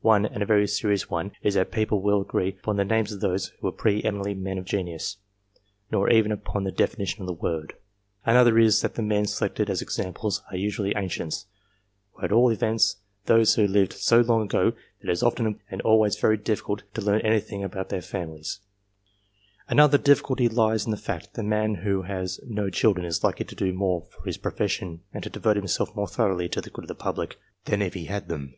One and a very serious one is that people will not 320 COMPARISON OF RESULTS agree upon the names of those who are pre eminently men of genius, nor even upon the definition of the word. Another is, that the men selected as examples are usually ancients, or at all events those who lived so long ago that it is often impossible, and always very difficult, to learn anything about their families. Another difficulty lies in the fact, that a man who has no children is likely to do more for his profession, and to devote himself more thoroughly to the good of the public, than if he had them.